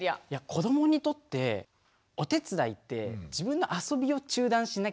子どもにとってお手伝いって自分のあそびを中断しなきゃいけない